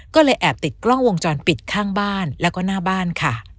ก็เลยแอบติดกล้องวงจรปิดข้างบ้านแล้วก็หน้าบ้านค่ะ